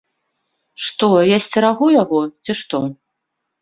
Што, я сцерагу яго, ці што?